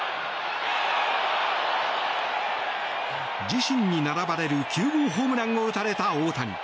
自身に並ばれる９号ホームランを打たれた大谷。